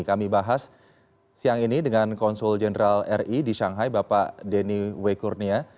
kami bahas siang ini dengan konsul jenderal ri di shanghai bapak denny wekurnia